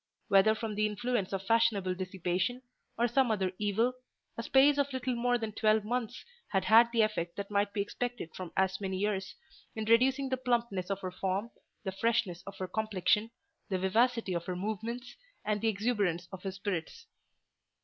Whether from the influence of fashionable dissipation, or some other evil, a space of little more than twelve months had had the effect that might be expected from as many years, in reducing the plumpness of her form, the freshness of her complexion, the vivacity of her movements, and the exuberance of her spirits.